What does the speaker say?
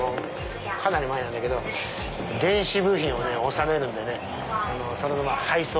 かなり前なんだけど電子部品を納めるんでそのまま配送。